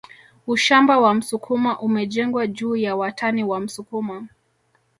Ushamba wa msukuma umejengwa juu ya watani wa msukuma